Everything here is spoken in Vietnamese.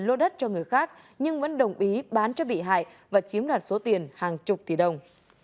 mua đất cho người khác nhưng vẫn đồng ý bán cho bị hại và chiếm đoạt số tiền hàng chục tỷ đồng